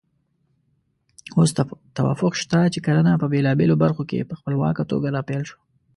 اوس توافق شته چې کرنه په بېلابېلو برخو کې په خپلواکه توګه راپیل شوه.